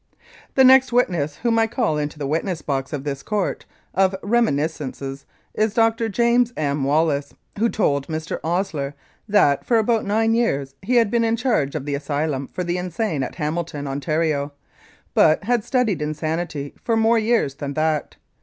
The next witness whom I call into the witness box of this court of reminiscences is Dr. James M. Wallace, who told Mr. Osier that for about nine years he had been in charge of the asylum for the insane at Hamilton, Ontario, but had studied insanity for more years than that.